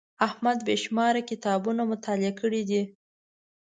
احمد بې شماره کتابونه مطالعه کړي دي.